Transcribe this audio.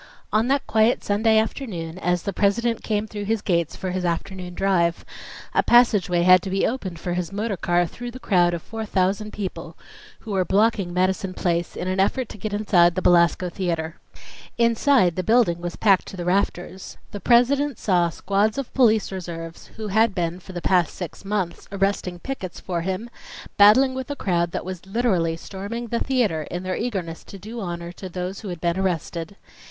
On that quiet Sunday afternoon, as the President came through his gates for his afternoon drive, a passageway had to be opened for his motor car through the crowd of four thousand people who were blocking Madison Place in an effort to get inside the Belasco Theatre. Inside the building was packed to the rafters. The President saw squads of police reserves, who had been for the past six months arresting pickets for him, battling with a crowd that was literally storming the theatre in their eagerness to do honor to those who had been arrested.